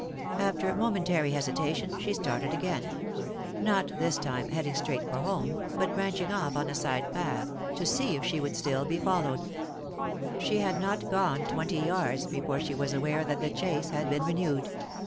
After momentary hesitation she started again; not, this time, heading straight for home, but branching off on a side path, to see if she would still "7 3i 9 iii^d by Google THE INTERRUPTED KISS be followed. She bad not gone twenty yards before she was aware that the chase had been renewed.